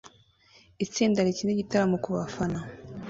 Itsinda rikina igitaramo kubafana